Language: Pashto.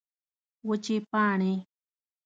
وچې پاڼې